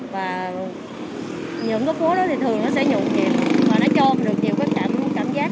và những cái phố đó thì thường nó sẽ nhộn nhiều và nó cho mình được nhiều cái cảm giác